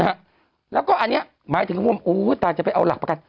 แล้วก็อันนี้หมายถึงว่าโอ้ตาจะไปเอาหลักประกัน